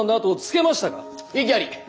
異議あり！